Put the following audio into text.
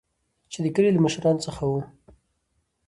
چې د کلي له مشران څخه وو.